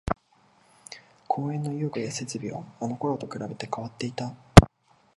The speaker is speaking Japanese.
公園の遊具や設備はあのころと比べて変わっていた